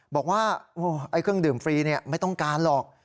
บอกว่าเครื่องดื่มฟรีไม่ต้องการหรอก